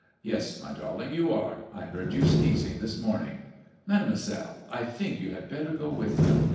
Yes, my darling, you are. I heard you sneezing this morning. Mademoiselle, I think you had better go with them.